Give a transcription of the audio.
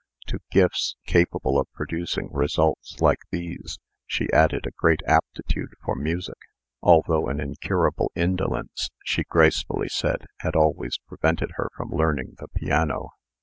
To gifts capable of producing results like these, she added a great aptitude for music; although an incurable indolence, she gracefully said, had always prevented her from learning the piano.